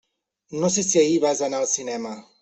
No sé si ahir vas anar al cinema.